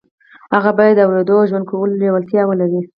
هغه بايد د اورېدو او ژوند کولو لېوالتیا ولري.